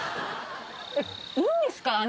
いいんですか？